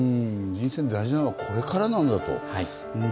人生に大事なのは、これからなんだと。